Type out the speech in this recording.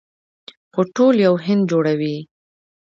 خو ټول یو هند جوړوي.